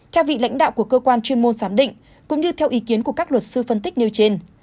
theo vị lãnh đạo của cơ quan chuyên môn giám định cũng như theo ý kiến của các luật sư phân tích nêu trên